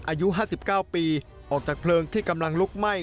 อายุ๕๙ปีออกจากเพลิงที่กำลังลุกไหม้